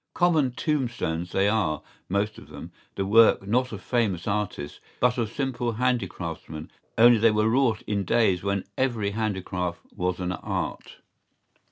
¬Ý Common tombstones they are, most of them, the work not of famous artists but of simple handicraftsmen, only they were wrought in days when every handicraft was an art.